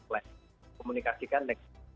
nah komunikasikan next